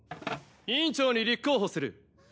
委員長に立候補する。